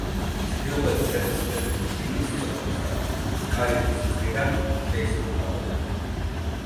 ჩრდილოეთი შესასვლელი შიგნით სწორკუთხაა, კარიბჭის მხრიდან შეისრულთაღოვანი.